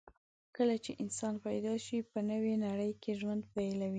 کله چې انسان پیدا شي، په نوې نړۍ کې ژوند پیلوي.